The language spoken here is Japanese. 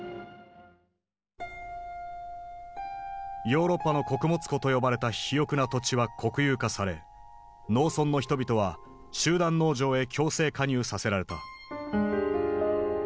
「ヨーロッパの穀物庫」と呼ばれた肥沃な土地は国有化され農村の人々は集団農場へ強制加入させられた。